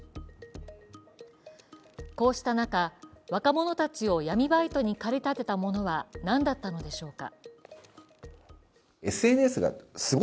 こうした中、若者たちを闇バイトに駆り立てたものは何だったのでしょうか。